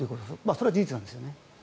それは事実なんですね。